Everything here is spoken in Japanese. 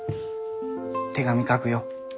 手紙書くよ。